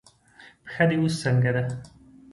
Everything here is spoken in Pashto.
پښه دې اوس څنګه ده؟